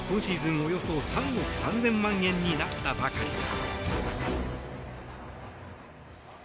およそ３億３０００万円になったばかりです。